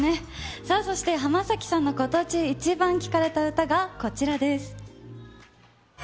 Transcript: さあ、そして浜崎さんの今年イチバン聴かれた歌がこちらです。